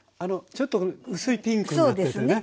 ちょっと薄いピンクになっててね。